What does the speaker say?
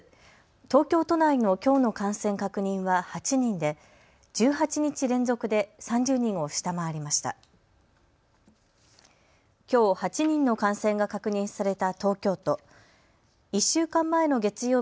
東京都内のきょうの感染確認は８人で１８日連続で３０人を下回りました。